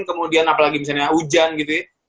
kemudian apalagi misalnya hujan gitu ya